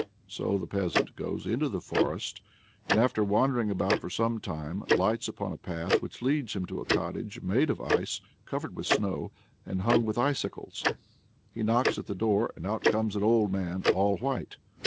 So the peasant goes into the forest and, after wandering about for some time, lights upon a path which leads him to a cottage made of ice, covered with snow, and hung with icicles. He knocks at the door, and out comes an old man "all white."